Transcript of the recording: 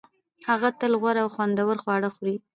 هغه تل غوره او خوندور خواړه خوري